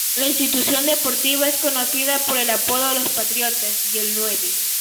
La institución deportiva es conocida por el apodo "Los Patriotas" y "El Nueve".